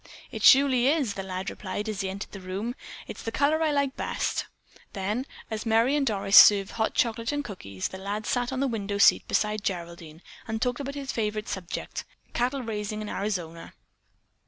"It surely is!" the lad replied as he entered the room. "It's the color I like best." Then, as Merry and Doris served hot chocolate and cookies, the lad sat on the window seat beside Geraldine and talked about his favorite subject, cattle raising in Arizona.